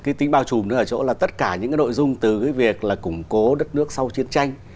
cái tính bao trùm ở chỗ là tất cả những nội dung từ việc là củng cố đất nước sau chiến tranh